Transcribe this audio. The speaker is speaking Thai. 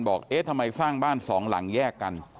เอ๊ะทำไมสร้างบ้านสองหลังแยกกัน